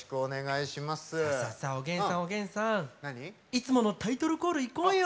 いつものタイトルコールいこうよ！